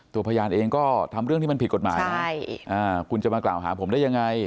ตัวพยานเองก็ทำเรื่องที่มันผิดกฎหมายนะคุณจะมากล่าวหาผมได้ยังไง